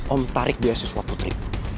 om tarik beasiswa putri